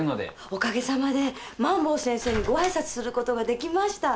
おかげさまで萬坊先生にご挨拶することができました。